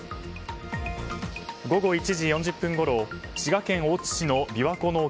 午後１時４０分ごろ滋賀県大津市の琵琶湖の沖